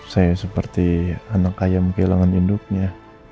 saya seperti anak ayam kehilangan induknya